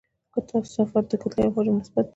کثافت د کتلې او حجم نسبت دی.